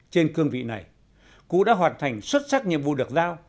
trên cương vị này cụ đã hoàn thành xuất sắc nhiệm vụ được giao